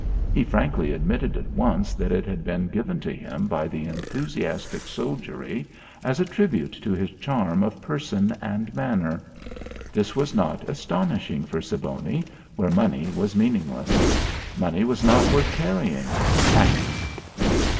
He frankly admitted at once that it had been given to him by the enthusiastic soldiery as a tribute to his charm of person and manner. This was not astonishing for Siboney, where money was meaningless. Money was not worth carrying "packing."